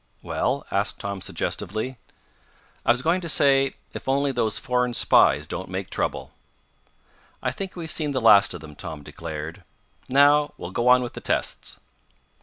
"Well?" asked Tom suggestively. "I was going to say if only those foreign spies don't make trouble." "I think we've seen the last of them," Tom declared. "Now we'll go on with the tests."